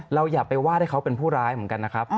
อย่าไปว่าให้เขาเป็นผู้ร้ายเหมือนกันนะครับ